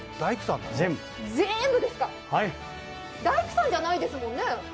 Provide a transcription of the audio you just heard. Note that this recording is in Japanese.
大工さんじゃないですね？